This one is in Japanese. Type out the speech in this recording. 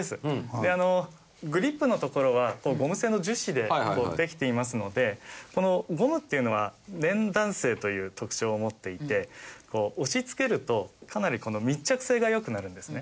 でグリップのところはゴム製の樹脂でできていますのでこのゴムっていうのは粘弾性という特徴を持っていて押し付けるとかなり密着性が良くなるんですね。